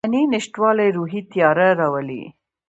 د معنی نشتوالی روحي تیاره راولي.